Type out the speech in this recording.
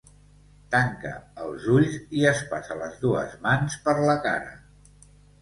Tanca els ulls i es passa les dues mans per la cara.